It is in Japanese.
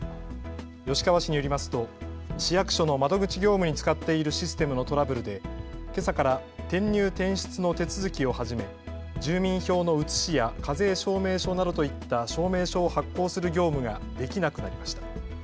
吉川市によりますと市役所の窓口業務に使っているシステムのトラブルでけさから転入転出の手続きをはじめ、住民票の写しや課税証明書などといった証明書を発行する業務ができなくなりました。